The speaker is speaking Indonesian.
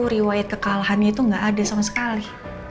riwayat kekalahannya itu nggak ada sama sekali